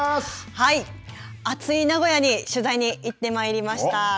あつい名古屋に取材に行ってまいりました。